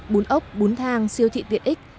bún ốc bún thang siêu thị tiện ích